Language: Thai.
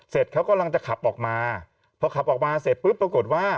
เขากำลังจะขับออกมาพอขับออกมาเสร็จปุ๊บปรากฏว่า